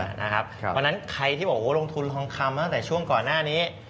เพราะฉะนั้นใครที่บอกว่าลงทุนทองคำตั้งแต่ช่วงก่อนหน้านี้